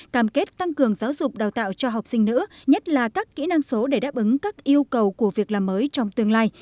cam kết tăng cường giáo dục đào tạo cho học sinh nữ nhất là các kỹ năng số để đáp ứng các yêu cầu của việc làm mới trong tương lai